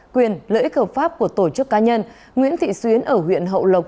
quyền lợi ích hợp pháp của tổ chức cá nhân nguyễn thị xuyến ở huyện hậu lộc